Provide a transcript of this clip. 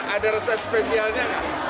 ada resep spesialnya